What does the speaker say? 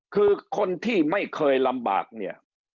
คือคนที่ไม่เคยลำบากเนี่ย